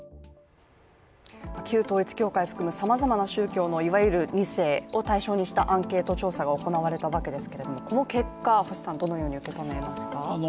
旧統一教会を含むさまざまな宗教のいわゆる２世を対象にしたアンケート調査が行われたわけですけどもこの結果、星さん、どのように受け止めますか。